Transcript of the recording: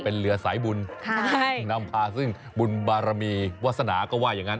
เป็นเรือสายบุญนำพาซึ่งบุญบารมีวาสนาก็ว่าอย่างนั้น